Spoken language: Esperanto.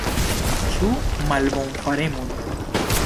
Ĉu malbonfaremon?